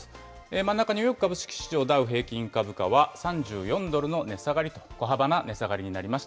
真ん中、ニューヨーク株式市場、ダウ平均株価は３４ドルの値下がりと、小幅な値下がりになりました。